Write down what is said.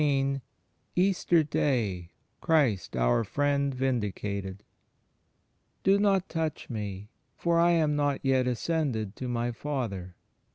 xra EASTER DAY CHRIST OUR FRIEND VINDICATED Do not touch me, for I am not yet ascended to my Father.